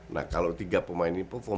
nah kalau tiga pemain ini perform